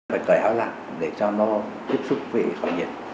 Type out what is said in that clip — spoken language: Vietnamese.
phải cởi áo dạng để cho nó tiếp xúc với khỏi nhiệt